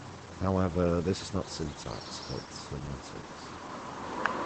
However this is not syntax, but semantics.